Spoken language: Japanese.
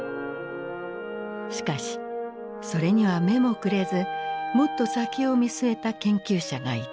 しかしそれには目もくれずもっと先を見据えた研究者がいた。